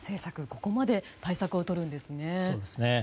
ここまで対策をとるんですね。